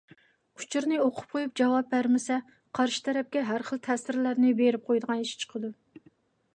ئۇچۇرنى ئوقۇپ قويۇپ جاۋاب بەرمىسە، قارشى تەرەپكە ھەر خىل تەسىرلەرنى بېرىپ قويىدىغان ئىش چىقىدۇ.